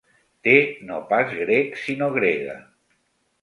Te no pas grec sinó grega.